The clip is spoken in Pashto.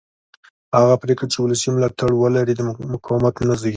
هغه پرېکړې چې ولسي ملاتړ ولري مقاومت نه زېږوي